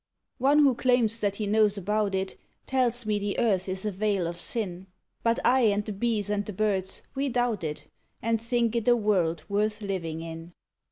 One who claims that he knows about it Tells me the Earth is a vale of sin; But I and the bees and the birds we doubt it, And think it a world worth living in.